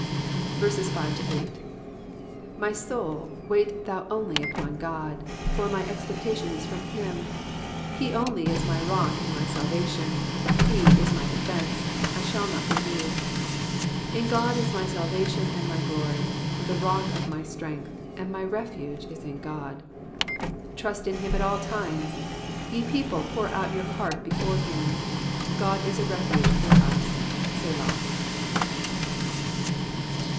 5 My soul, wait thou only upon God ; for my expectation ts from him. 6 He only ts my rock and my salvation : /le is my defence ; I shall not be moved. 7 In God is my salvation and my glory : the rock of my strength, and my refuge, is in God. 8 Trust in him at all times ; ye people, pour out your heart before him : God is a refuge for us. Selah.